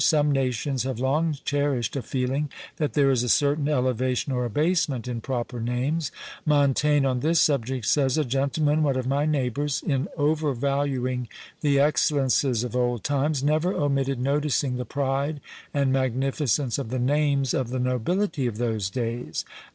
Some nations have long cherished a feeling that there is a certain elevation or abasement in proper names. Montaigne on this subject says, "A gentleman, one of my neighbours, in over valuing the excellences of old times, never omitted noticing the pride and magnificence of the names of the nobility of those days!